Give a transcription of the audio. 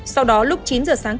sau đó lúc chín giờ sáng